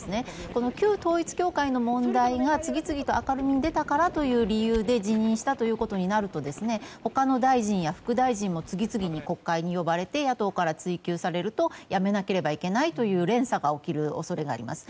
この旧統一教会の問題が次々と明るみに出たからという理由で辞任したということになると他の大臣や副大臣も次々と国会に呼ばれて野党から追及されると辞めなければいけないという連鎖が起きる恐れがあります。